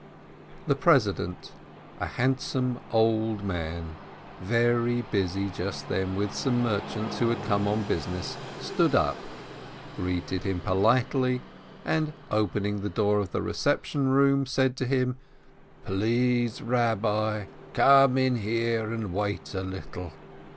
The president, a handsome old man, very busy just then with some merchants who had come on business, stood up, greeted him politely, and opening the door of the reception room said to him : "Please, Rabbi, come in here and wait a little.